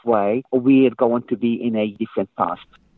kita akan berada di masa lalu yang berbeda